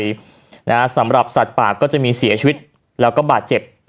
นะฮะสำหรับสัตว์ป่าก็จะมีเสียชีวิตแล้วก็บาดเจ็บ